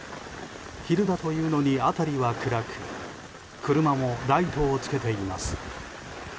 昼だというのに辺りは暗く車もライトをつけています。